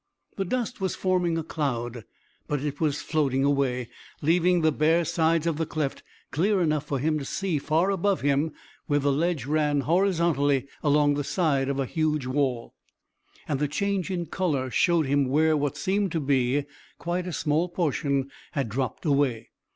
The dust was still forming a cloud, but it was floating away, leaving the bare sides of the cleft clear enough for him to see far above him where the ledge ran horizontally along the side of the huge wall; and the change in colour showed him where what seemed to be quite a small portion had dropped away.